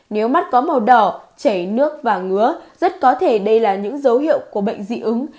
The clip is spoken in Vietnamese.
nếu mắt có màu đỏ chảy nước và ngứa rất có thể đây là những dấu hiệu của bệnh dị ứng